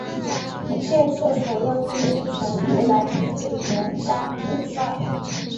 建设所用资金全部来自联邦预算。